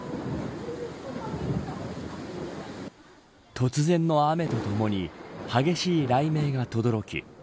突然の雨とともに激しい雷鳴がとどろき